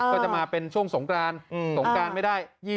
ก็จะมาเป็นช่วงสงกรานสงกรานไม่ได้